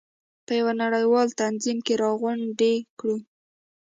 په یو نړیوال تنظیم کې راغونډې کړو.